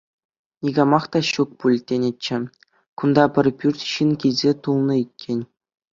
Никамах та ҫук пуль тенӗччӗ — кунта пӗр пӳрт ҫын килсе тулнӑ иккен!